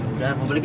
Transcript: udah mau balik ya